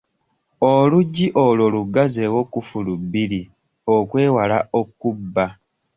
Oluggi olwo luggazzewo kkufulu bbiri okwewala okkubba.